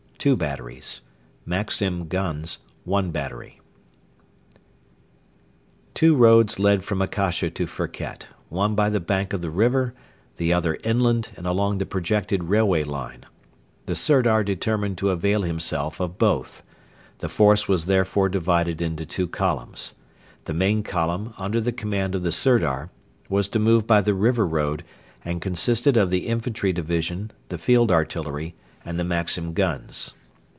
2 batteries Maxim Guns ..... 1 battery Two roads led from Akasha to Firket one by the bank of the river, the other inland and along the projected railway line. The Sirdar determined to avail himself of both. The force was therefore divided into two columns. The main column, under command of the Sirdar, was to move by the river road, and consisted of the infantry division, the Field Artillery, and the Maxim guns.